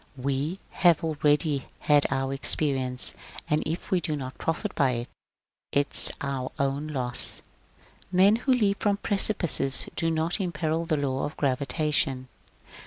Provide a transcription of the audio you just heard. We have already had our experience, and if we do not profit by it, \ is our own loss. Men who leap from precipices do not imperil the law of gravitation.